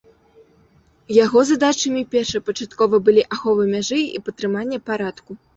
Яго задачамі першапачаткова былі ахова мяжы і падтрыманне парадку.